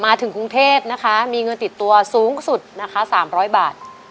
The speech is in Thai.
มาถึงกรุงเทพนะคะมีเงินติดตัวสูงสุดนะคะ๓๐๐บาท